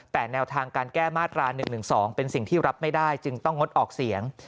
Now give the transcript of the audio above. แต่แนวทางการแก้มาตรา๑๑๒เป็นสิ่งที่รับไม่ได้จึงต้องงดออกเสียง